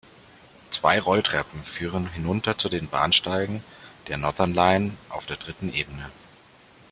Zwei Rolltreppen führen hinunter zu den Bahnsteigen der Northern Line auf der dritten Ebene.